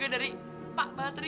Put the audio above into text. dan ketika ketika saklar ditutup